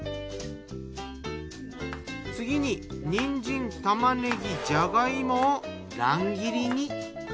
次ににんじん玉ねぎじゃが芋を乱切りに。